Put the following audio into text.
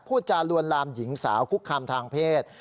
พูดจาลวนลามหญิงสาวคุกคามทางเพศ